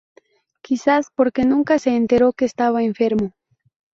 Quizás, porque nunca se enteró que estaba enfermo.